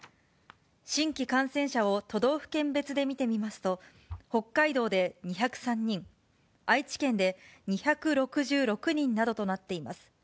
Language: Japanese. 新規感染者を都道府県別で見てみますと、北海道で２０３人、愛知県で２６６人などとなっています。